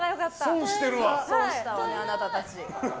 損してるわ、あなたたち。